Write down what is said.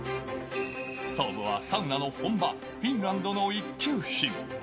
ストーブはサウナの本場、フィンランドの一級品。